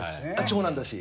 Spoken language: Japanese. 長男だし。